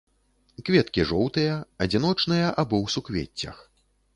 Кветкі жоўтыя, адзіночныя або ў суквеццях.